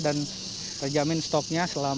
dan terjamin stoknya bisa terpenuhi